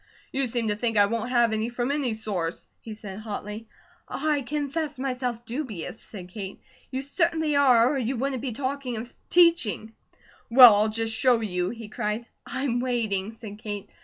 "You seem to think I won't have any from any source," he said hotly. "I confess myself dubious," said Kate. "You certainly are, or you wouldn't be talking of teaching." "Well, I'll just show you!" he cried. "I'm waiting," said Kate.